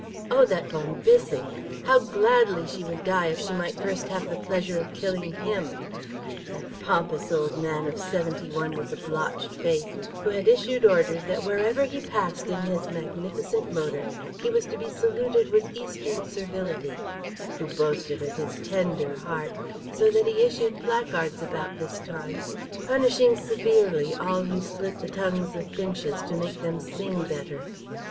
Oh that von Bissing. How gladly she would die if she might first have the pleasure of killing him! That pompous old man of seventy one with the blotched face, who had issued orders that wherever he passed in his magnificent motor he was to be saluted with Eastern servility, who boasted of his "tender heart," so that he issued placards about this time punishing severely all who split the tongues of finches to make them sing better.